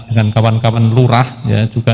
dengan kawan kawan lurah ya juga